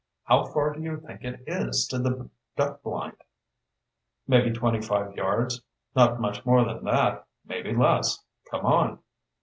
How far do you think it is to the duck blind?" "Maybe twenty five yards. Not much more than that, maybe less. Come on."